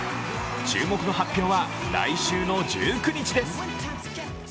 注目の発表は来週の１９日です。